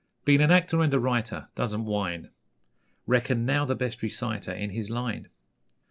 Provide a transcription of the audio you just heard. Been an actor and a writer Doesn't whine Reckoned now the best reciter In his line.